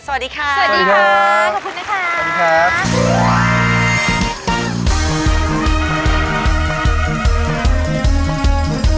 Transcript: สวัสดีค่ะสวัสดีค่ะขอบคุณนะคะ